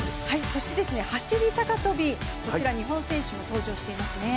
そして走高跳、日本選手も登場していますね。